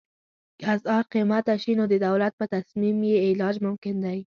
که اسعار قیمته شي نو د دولت په تصمیم یې علاج ممکن دی.